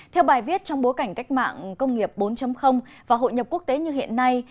theo bài viết trong bối cảnh cách mạng công nghiệp bốn và hội nhập quốc tế như hiện nay